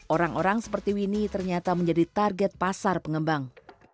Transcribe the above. orang orang seperti winnie ternyata menjadi target pasar pengembang